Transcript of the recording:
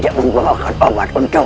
kau akan berhenti